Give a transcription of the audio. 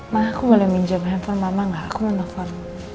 mah aku boleh minjem handphone mama gak aku mau nelfon